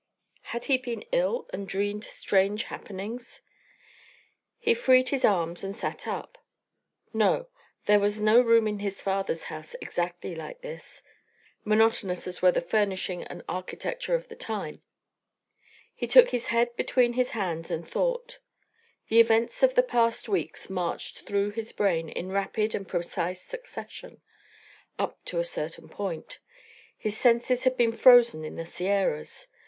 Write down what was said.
Had he been ill and dreamed strange happenings? He freed his arms and sat up. No; there was no room in his father's house exactly like this, monotonous as were the furnishing and architecture of the time. He took his head between his hands and thought; the events of the past weeks marched through his brain in rapid and precise succession up to a certain point: his senses had been frozen in the Sierras.